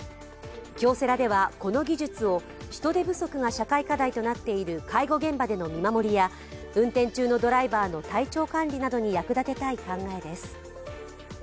京セラでは、この技術を人手不足が社会課題となっている介護現場での見守りや運転中のドライバーの体調管理などに役立てたい考えです。